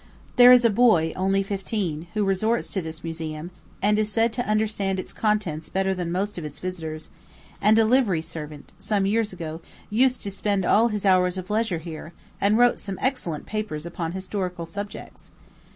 There is a boy, only fifteen, who resorts to this museum, and is said to understand its contents better than most of its visitors; and a livery servant, some few years ago, used to spend all his hours of leisure here, and wrote some excellent papers upon historical subjects.